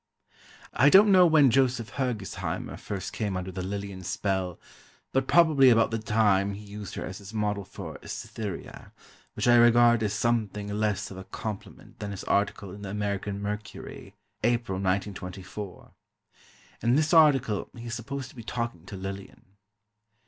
I don't know when Joseph Hergesheimer first came under the Lillian spell, but probably about the time he used her as his model for "Cytherea," which I regard as something less of a compliment than his article in the American Mercury, April, 1924. In this article, he is supposed to be talking to Lillian.